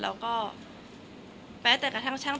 แต่ขวัญไม่สามารถสวมเขาให้แม่ขวัญได้